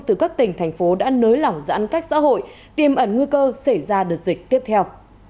từ các tỉnh thành phố đã nới lỏng giãn cách xã hội tiêm ẩn nguy cơ xảy ra đợt dịch tiếp theo